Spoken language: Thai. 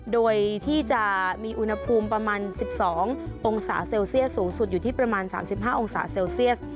โดยที่จะมีอุณหภูมิประมาณ๑๒องศาเซลเซียสสูงสุดอยู่ที่ประมาณ๓๕องศาเซลเซียส